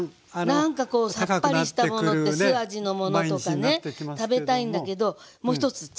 そうなんかこうさっぱりしたものって酢味のものとかね食べたいんだけどもう一つ知恵。